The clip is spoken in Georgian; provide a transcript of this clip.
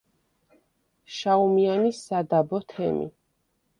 შაუმიანის სადაბო თემი.